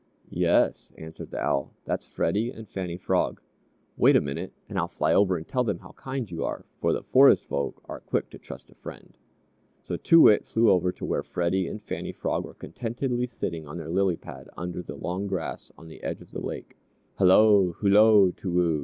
"Yes," answered the Owl; "that's Freddie and Fannie Frog. Wait a minute and I'll fly over and tell them how kind you are, for the Forest Folk are quick to trust a friend." So Too Wit flew over to where Freddie and Fannie Frog were contentedly sitting on their lily pad under the long grass on the edge of the lake. "Hello, hullo, Too woo!"